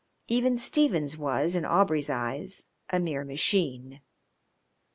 Even Stephens was, in Aubrey's eyes, a mere machine.